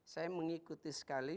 saya mengikuti sekali